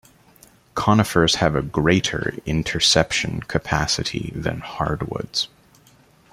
Conifers have a greater interception capacity than hardwoods.